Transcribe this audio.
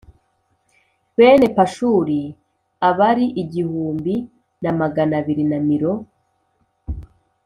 bene Pashuri a bari igihumbi na magana abiri na miro